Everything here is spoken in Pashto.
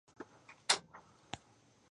لومړي شرک سېمبولیکو چارو اکتفا کوي.